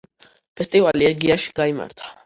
ფესტივალი ეგიაში გაიმართა.